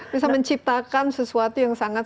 bisa menciptakan sesuatu yang sangat